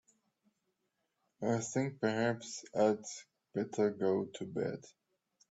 I think perhaps I'd better go to bed.